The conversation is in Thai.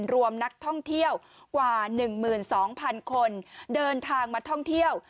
รวมนักท่องเที่ยวกว่า๑๒๐๐๐คนเดินทางมาท่องเที่ยว